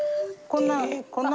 こんな。